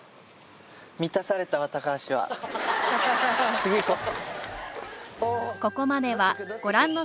次行こう。